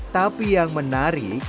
tapi yang menarik